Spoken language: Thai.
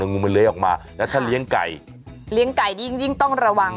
งูมันเล้ยออกมาแล้วถ้าเลี้ยงไก่เลี้ยงไก่ยิ่งต้องระวัง